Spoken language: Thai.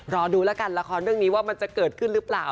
รอดูแล้วกันละครเรื่องนี้ว่ามันจะเกิดขึ้นหรือเปล่า